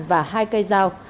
và hai cây dao